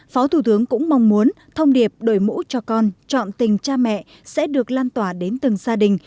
phó thủ tướng cũng mong muốn thông điệp đổi mũ cho con chọn tình cha mẹ sẽ được lan tỏa đến từng gia đình